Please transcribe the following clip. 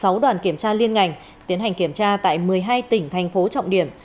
sáu đoàn kiểm tra liên ngành tiến hành kiểm tra tại một mươi hai tỉnh thành phố trọng điểm